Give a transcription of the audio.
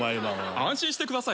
安心してください。